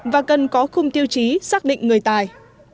và cần có khung tiêu chí xác định người tài